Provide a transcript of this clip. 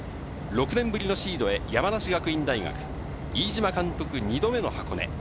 ６年ぶりのシードへ、山梨学院大学、飯島監督２度目の箱根。